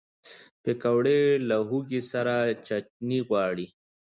پکورې له هوږې سره چټني غواړي